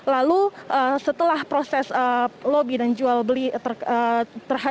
lalu setelah proses lobi dan jual beli terhadap pihak kongregasi tersebut